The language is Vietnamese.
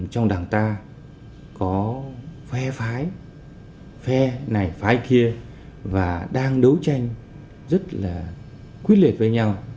trong đảng ta có phe phái phe này phái kia và đang đấu tranh rất là quyết liệt với nhau